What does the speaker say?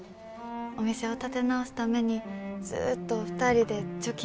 お店を建て直すためにずっと２人で貯金してきました。